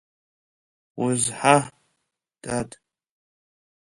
Узҳа, дад!